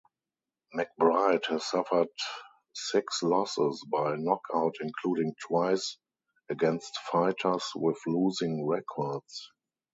McBride has suffered six losses by knockout-including twice against fighters with losing records.